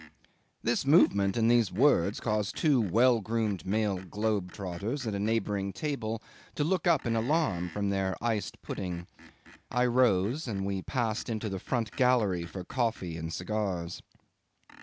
'This movement and these words caused two well groomed male globe trotters at a neighbouring table to look up in alarm from their iced pudding. I rose, and we passed into the front gallery for coffee and cigars.